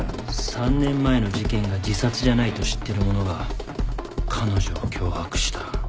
３年前の事件が自殺じゃないと知ってる者が彼女を脅迫した。